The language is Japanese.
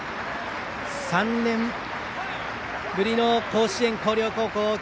３年ぶりの甲子園、広陵高校。